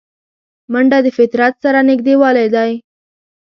منډه د فطرت سره نږدېوالی دی